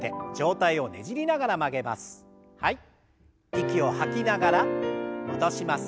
息を吐きながら戻します。